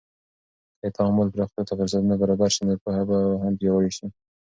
که د تعامل پراختیا ته فرصتونه برابر سي، نو پوهه به هم پیاوړې سي.